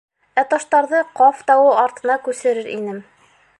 Ә таштарҙы Ҡаф тауы артына күсерер инем.